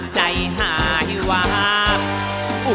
ใจหายว้าว